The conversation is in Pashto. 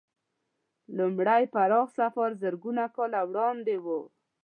لومړی پراخ سفر زرګونه کاله وړاندې و.